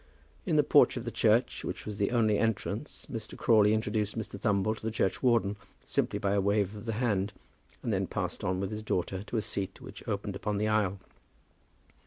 In the porch of the church, which was the only entrance, Mr. Crawley introduced Mr. Thumble to the churchwarden, simply by a wave of the hand, and then passed on with his daughter to a seat which opened upon the aisle.